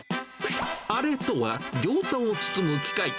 あれとは、ギョーザを包む機械。